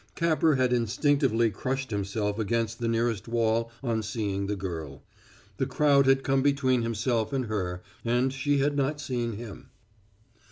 Capper had instinctively crushed himself against the nearest wall on seeing the girl; the crowd had come between himself and her, and she had not seen him.